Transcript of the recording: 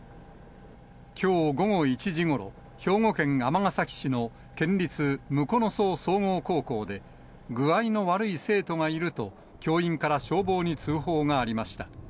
きょう午後１時ごろ、兵庫県尼崎市の県立武庫荘総合高校で、具合の悪い生徒がいると、教員から消防に通報がありました。